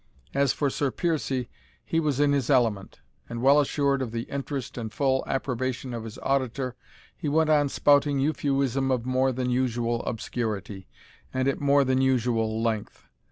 As for Sir Piercie, he was in his element; and, well assured of the interest and full approbation of his auditor, he went on spouting Euphuism of more than usual obscurity, and at more than usual length.